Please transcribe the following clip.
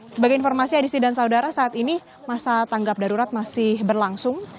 sebagai informasi edisi dan saudara saat ini masa tanggap darurat masih berlangsung